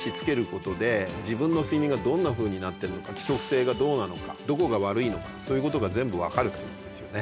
ことで自分の睡眠がどんなふうになってるのか規則性がどうなのかどこが悪いのかそういうことが全部分かるってことですよね。